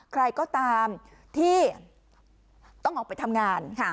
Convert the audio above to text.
ใครก็ตามที่ต้องออกไปทำงาน